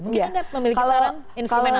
mungkin anda memiliki saran instrumen